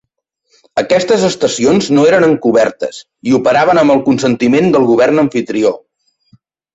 Aquestes estacions no eren encobertes i operaven amb el consentiment del govern amfitrió.